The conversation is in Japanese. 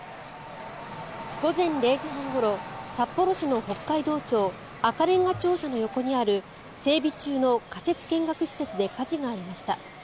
午前０時半ごろ札幌市の北海道庁の横にある整備中の仮設見学施設で火事がありました。